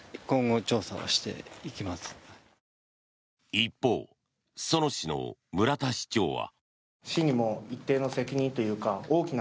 一方、裾野市の村田市長は。